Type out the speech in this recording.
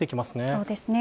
そうですね。